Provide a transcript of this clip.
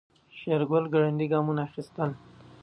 شېرګل ګړندي ګامونه اخيستل.